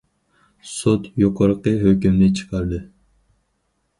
سوت يۇقىرىقى ھۆكۈمنى چىقاردى.